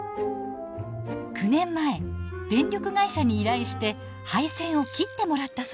９年前電力会社に依頼して配線を切ってもらったそうです。